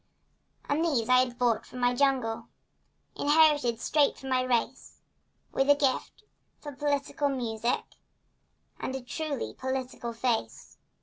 And these I had brought from the jungle— Inherited straight from my race— With a gift for political music And a truly political face.